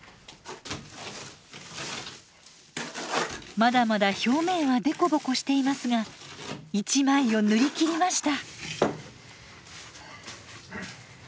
まだまだ表面は凸凹していますが１枚を塗りきりました。